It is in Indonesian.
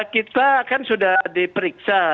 kita kan sudah diperiksa